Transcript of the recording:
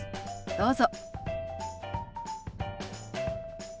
どうぞ。